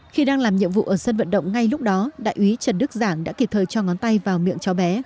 khi đang làm nhiệm vụ ở sân vận động ngay lúc đó đại úy trần đức giảng đã kịp thời cho ngón tay vào miệng chó bé